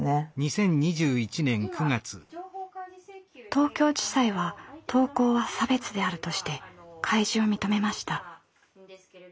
東京地裁は投稿は「差別」であるとして開示を認めました。